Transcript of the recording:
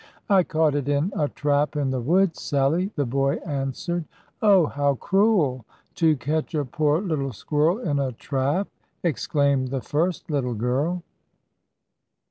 "I caught it in a trap in the woods, Sallie," the boy answered. "Oh, how cruel, to catch a poor little squirrel in a trap!" exclaimed the first little girl.